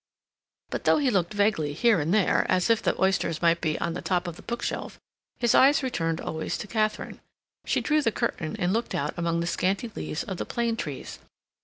but though he looked vaguely here and there, as if the oysters might be on the top of the bookshelf, his eyes returned always to Katharine. She drew the curtain and looked out among the scanty leaves of the plane trees.